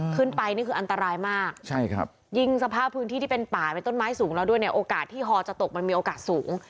นี่คืออันตรายมากใช่ครับยิ่งสภาพพื้นที่ที่เป็นป่าเป็นต้นไม้สูงแล้วด้วยเนี่ยโอกาสที่ฮอจะตกมันมีโอกาสสูง